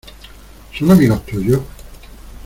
¿ son amigos tuyos?